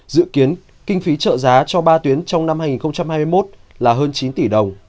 dự kiến kinh phí trợ giá cho ba tuyến trong năm hai nghìn hai mươi một là hơn chín tỷ đồng